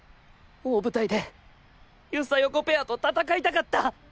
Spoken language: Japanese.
大舞台でユサヨコペアと戦いたかった。